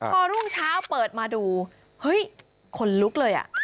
พอรุ่งเช้าเปิดมาดูเฮ้ยคนลุกเลยอ่ะ